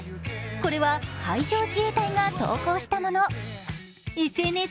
これは海上自衛隊が投稿したもの。